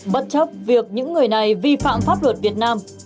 bất chấp việc những người này vi phạm pháp luật việt nam